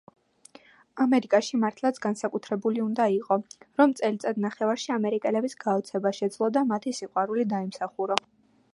ამერიკაში მართლაც განსაკუთრებული უნდა იყო, რომ წელიწადნახევარში ამერიკელების გაოცება შეძლო და მათი სიყვარული დაიმსახურო.